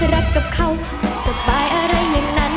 รักกับเขาสบายอะไรอย่างนั้น